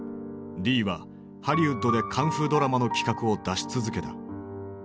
リーはハリウッドでカンフードラマの企画を出し続けた。